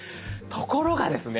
ところがですね